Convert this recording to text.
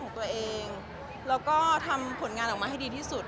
แล้วก็ทำผลงานออกมาให้ดีที่สุด